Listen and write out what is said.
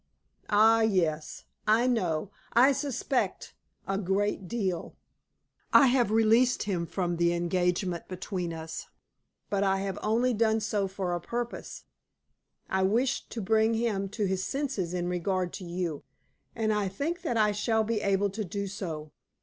Ah, yes! I know I suspect a great deal. I have released him from the engagement between us; but I have only done so for a purpose. I wished to bring him to his senses in regard to you, and I think that I shall be able to do so.